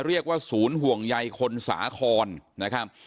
เรียกว่าศูนย์ห่วงใยคนสาครนะครับ